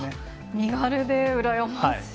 身軽で羨ましい。